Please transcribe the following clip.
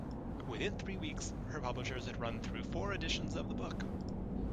Within three weeks, her publishers had run through four editions of the book.